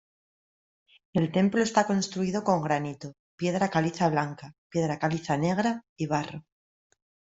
El templo está construido con granito, piedra caliza blanca, piedra caliza negra y barro.